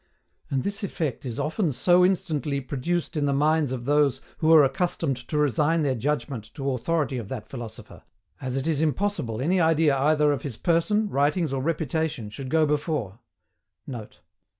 And this effect is often so instantly produced in the minds of those who are accustomed to resign their judgment to authority of that philosopher, as it is impossible any idea either of his person, writings, or reputation should go before [Note.